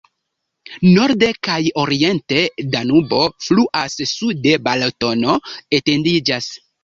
Norde kaj oriente Danubo fluas, sude Balatono etendiĝas.